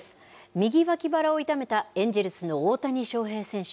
右脇腹を痛めたエンジェルスの大谷翔平選手。